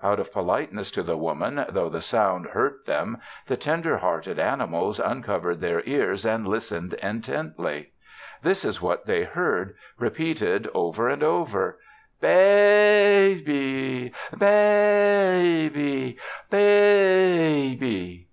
Out of politeness to the Woman, though the sound hurt them, the tenderhearted animals uncovered their ears and listened intently. This is what they heard, repeated over and over, "Baa aa by! Baa aa by! Baa aa by!"